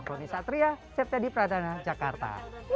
bronisa tria sertedi pradana jakarta